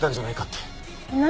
何？